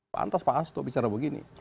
pantas pak hasto bicara begini